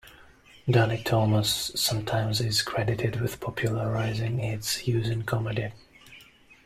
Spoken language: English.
Danny Thomas sometimes is credited with popularizing its use in comedy.